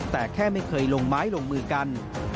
แต่แค่ไม่เคยลงไม้ลงมือกัน